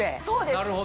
そうです。